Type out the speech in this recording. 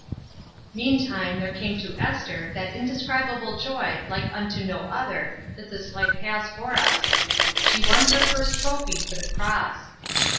Meantime there came to Esther that inde scribable joy like unto no other that this life has for us; she won her first trophy for the cross.